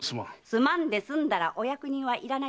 「すまん」で済んだらお役人はいらないっての。